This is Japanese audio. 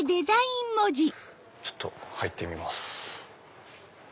ちょっと入ってみます。